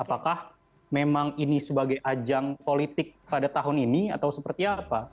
apakah memang ini sebagai ajang politik pada tahun ini atau seperti apa